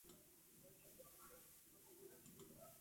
თითოეულ ეთნიკურ ჯგუფს აქვს განსხვავებული ისტორია, რელიგია და კულტურა.